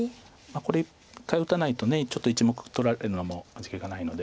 これ１回打たないとちょっと１目取られるのは味気がないので。